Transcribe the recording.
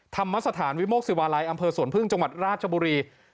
ธรรมสถานวิโมกศิวาลัยอำเภอสวนพึ่งจังหวัดราชบุรี